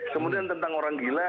kemudian tentang orang gila